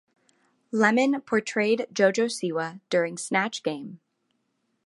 Lemon portrayed Jojo Siwa during Snatch Game.